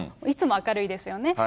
いつも明るいですよね。